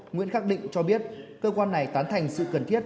nguyễn khắc định cho biết cơ quan này tán thành sự cần thiết